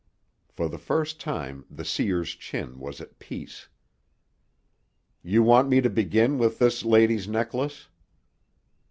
For the first time the seer's chin was at peace. "You want me to begin with this lady's necklace?"